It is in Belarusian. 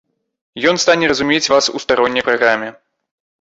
Ён стане разумець вас у старонняй праграме.